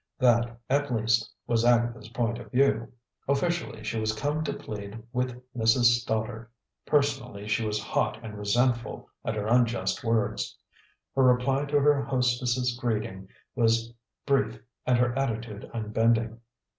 That, at least, was Agatha's point of view. Officially, she was come to plead with Mrs. Stoddard; personally, she was hot and resentful at her unjust words. Her reply to her hostess' greeting was brief and her attitude unbending.